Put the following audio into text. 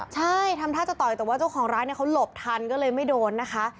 ใช่ทำท่าจะต่อยแต่ว่าเจ้าของร้านเนี่ยเขาหลบทันก็เลยไม่โดนนะคะ